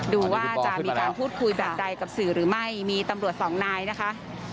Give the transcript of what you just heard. ดูว่าจะมีการพูดคุยแบบใดกับสื่อหรือไม่มีตำรวจสองนายนะคะ